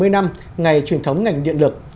bảy mươi năm ngày truyền thống ngành điện lực